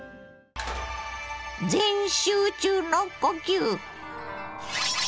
全集中の呼吸！